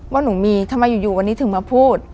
ว่าหนูมีทำไมอยู่วันนี้ถึงมาพูด